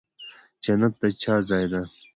جنت د چا ځای دی؟